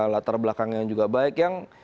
latar belakang yang juga baik yang